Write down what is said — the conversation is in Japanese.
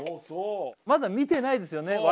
そうまだ見てないですよね